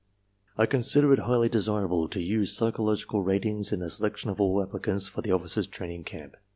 "I consider it highly desirable to use psychological ratings in the selection of all applicants for the Officers' Training Camp.